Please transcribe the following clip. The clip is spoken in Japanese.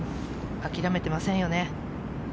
諦めていませんよね。